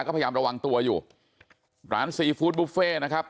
ก็พยายามระวังตัวอยู่ร้านซีฟู้ดบุฟเฟ่นะครับ